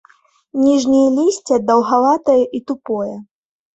Ніжняе лісце даўгаватае і тупое.